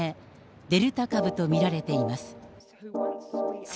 デルタ株と見られています。